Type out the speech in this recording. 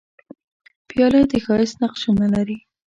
پیاله ښايسته نقشونه لري.